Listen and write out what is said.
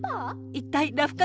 一体「ラフ活」